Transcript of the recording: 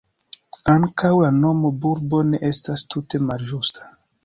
Ankaŭ la nomo bulbo ne estas tute malĝusta.